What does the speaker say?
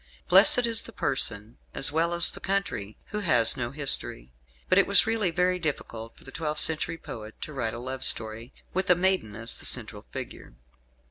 Blessed is the person as well as the country who has no history. But it was really very difficult for the twelfth century poet to write a love story, with a maiden as the central figure.